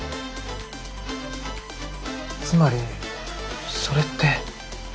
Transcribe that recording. つまりそれって。